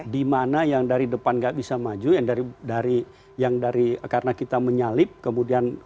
dimana yang dari depan tidak bisa maju yang dari karena kita menyalip kemudian kekuatan